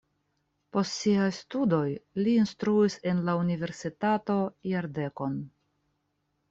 Post siaj studoj li instruis en la universitato jardekon.